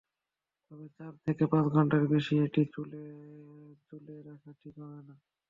তবে চার থেকে পাঁচ ঘণ্টার বেশি এটি চুলে রাখা ঠিক হবে না।